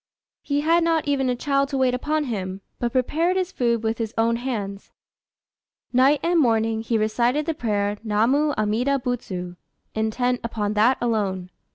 He had not even a child to wait upon him, but prepared his food with his own hands. Night and morning he recited the prayer "Namu Amida Butsu," intent upon that alone.